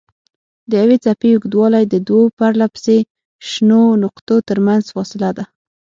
د یوې څپې اوږدوالی د دوو پرلهپسې شنو نقطو ترمنځ فاصله ده.